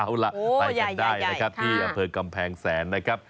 เอาล่ะไปกันได้นะครับที่อำเภอกำแพงแสนนะครับ